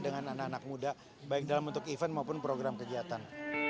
dengan anak anak muda baik dalam bentuk event maupun program kegiatan